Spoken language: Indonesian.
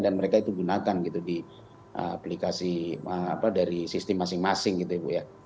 dan mereka itu gunakan gitu di aplikasi apa dari sistem masing masing gitu ya